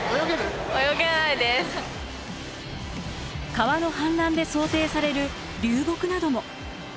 川の氾濫で想定される流木なども。